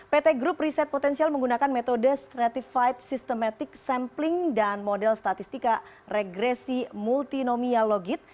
pt grup riset potensial menggunakan metode stratified systematic sampling dan model statistika regresi multinomia logit